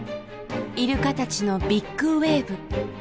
イルカたちのビッグウェーブ。